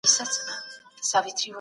تاسو بايد خپل توان ونه سپمئ.